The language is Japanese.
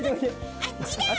あっちだ！